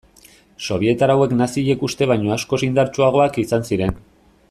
Sobietar hauek naziek uste baino askoz indartsuagoak izan ziren.